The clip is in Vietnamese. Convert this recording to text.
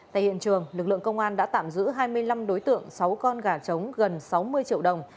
tại hiện trường lực lượng công an đã tạm giữ hai mươi năm đối tượng sáu con gà trống gần sáu mươi triệu đồng